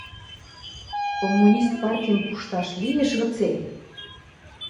Коммунист Партим пушташ лиэш гыце?